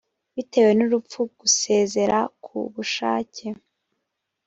bitewe n urupfu gusezera ku bushake